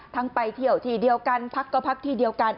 ไปเที่ยวที่เดียวกันพักก็พักที่เดียวกัน